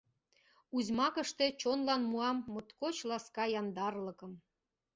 Узьмакыште чонлан муам Моткоч ласка яндарлыкым.